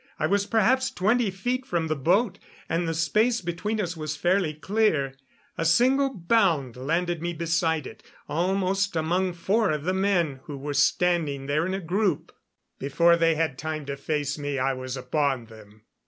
I was perhaps twenty feet from the boat, and the space between us was fairly clear. A single bound landed me beside it, almost among four of the men who were standing there in a group. Before they had time to face me I was upon them.